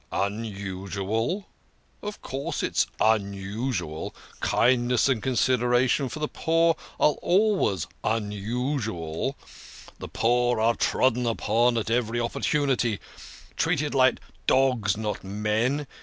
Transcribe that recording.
" Unusual ! Of course, it's unusual. Kindness and con sideration for the poor are always unusual. The poor are trodden upon at every opportunity, treated like dogs, not men.